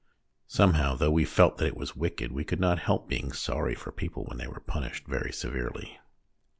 Somehow, though we felt that it was wicked, we could not help being sorry for people when they were punished very severely.